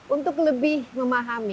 untuk lebih memahami